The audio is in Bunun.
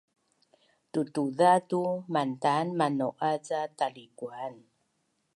Tutuza’ tu mantan manau’az ca talikuan